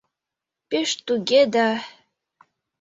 — Пеш туге да...